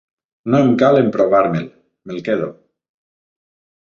No em cal emprovar-me'l. Me'l quedo.